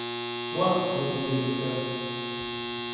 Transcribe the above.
Moi ! répondit le docteur.